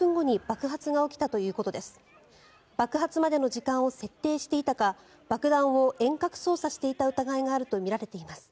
爆発までの時間を設定していたか爆弾を遠隔操作していた疑いがあるとみられています。